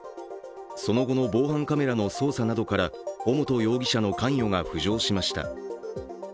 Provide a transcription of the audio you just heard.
その後の防犯カメラの捜査などから尾本容疑者の関与が浮上しました。